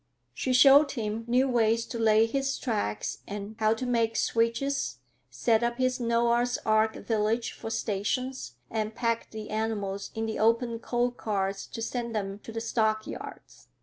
She showed him new ways to lay his tracks and how to make switches, set up his Noah's ark village for stations and packed the animals in the open coal cars to send them to the stockyards.